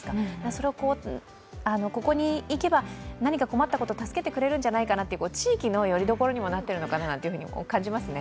それを、ここに行けば、何か困ったこと、助けてくれるんじゃないかなと地域のよりどころにもなっているのかなというふうにも感じますね。